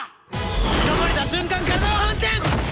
つかまれた瞬間体を反転！